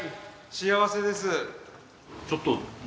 幸せです。